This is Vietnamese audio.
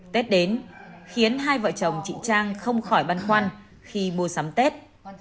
tết đến khiến hai vợ chồng chị trang không khỏi băn khoăn khi mua sắm tết